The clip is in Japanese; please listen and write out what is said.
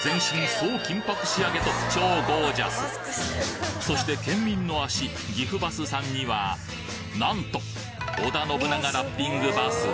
全身総金箔仕上げと超ゴージャスそして県民の足岐阜バスさんにはなんと織田信長ラッピングバス